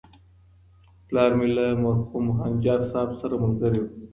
پلار مي له مرحوم خنجر صاحب سره ملګری و.